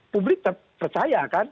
publik percaya kan